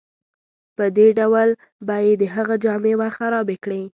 په دې ډول به یې د هغه جامې ورخرابې کړې.